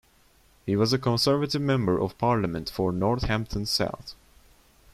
He was a Conservative Member of Parliament for Northampton South.